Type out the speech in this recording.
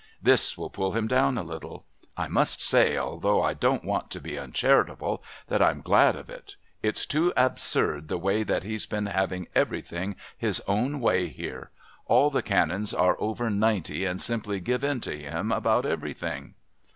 This will pull him down a little. I must say, although I don't want to be uncharitable, that I'm glad of it. It's too absurd the way that he's been having everything his own way here. All the Canons are over ninety and simply give in to him about everything."